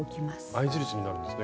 合い印になるんですね